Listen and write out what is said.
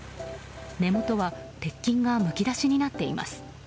根元は鉄筋がむき出しになっています。